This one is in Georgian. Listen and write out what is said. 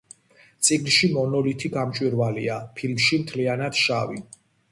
წიგნში მონოლითი გამჭვირვალეა, ფილმში მთლიანად შავი.